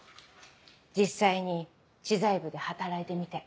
実際に知財部で働いてみて。